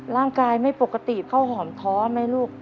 ร่างกายไม่ปกติข้าวหอมท้อไหมลูก